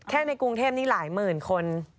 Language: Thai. ในกรุงเทพนี้หลายหมื่นคน